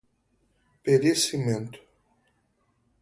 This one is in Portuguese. perecimento